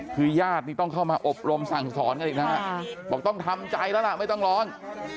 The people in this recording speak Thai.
คือญาตินี่ต้องเข้ามาอบรมสั่งสอนกันอีกนะฮะบอกต้องทำใจแล้วล่ะไม่ต้องร้อง